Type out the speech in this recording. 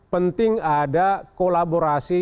penting ada kolaborasi